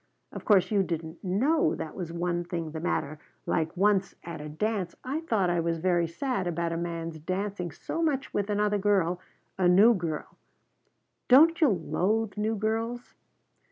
Of course, you didn't know that was one thing the matter; like once at a dance I thought I was very sad about a man's dancing so much with another girl, a new girl don't you loathe 'new girls'?